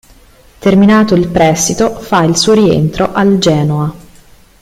Terminato il prestito fa il suo rientro al Genoa.